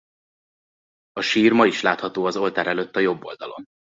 A sír ma is látható az oltár előtt a jobb oldalon.